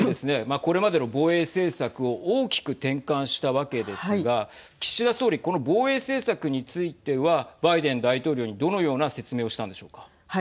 これまでの防衛政策を大きく転換したわけですが岸田総理この防衛政策についてはバイデン大統領にどのようなはい。